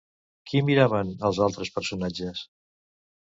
Qui miraven els altres personatges?